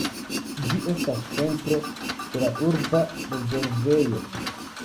Ĝi estas centro de la urba rezervejo.